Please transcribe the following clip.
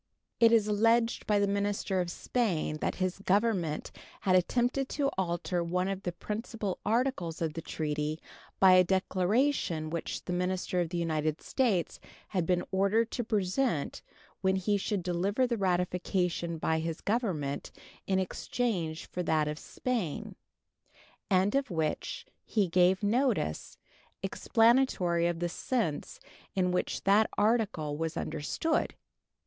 It is alleged by the minister of Spain that his Government had attempted to alter one of the principal articles of the treaty by a declaration which the minister of the United States had been ordered to present when he should deliver the ratification by his Government in exchange for that of Spain, and of which he gave notice, explanatory of the sense in which that article was understood.